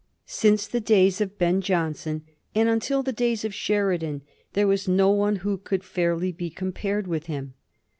Since the days of Ben Jonson and until the days of Sheridan there was no one who could fairly be compared with him.